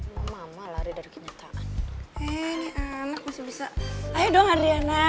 hai mama lari dari kenyataan ini anak bisa ayo dong ariana